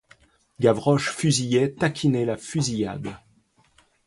Gavroche, fusillé, taquinait la fusillade.